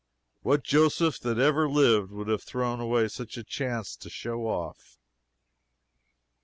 What Joseph that ever lived would have thrown away such a chance to "show off?"